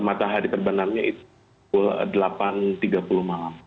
matahari terbenamnya itu pukul delapan tiga puluh malam